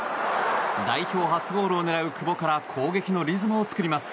代表初ゴールを狙う久保から攻撃のリズムを作ります。